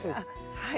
はい。